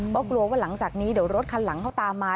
เพราะกลัวว่าหลังจากนี้เดี๋ยวรถคันหลังเขาตามมา